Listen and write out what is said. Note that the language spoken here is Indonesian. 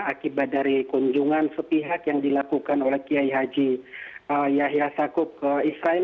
akibat dari kunjungan sepihak yang dilakukan oleh kiai haji yahya sakup ke israel